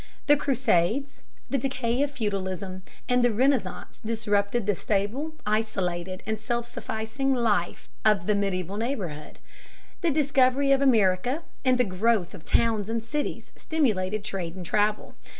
The Crusades, the decay of feudalism, and the Renaissance disrupted the stable, isolated, and self sufficing life of the medieval neighborhood. The discovery of America and the growth of towns and cities stimulated trade and travel.